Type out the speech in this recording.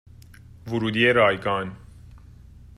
ورودی رایگان